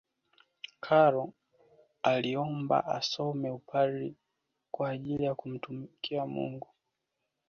karol aliomba asome upadri kwa ajili ya kumtumikia mungu